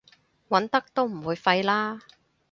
揾得都唔會廢啦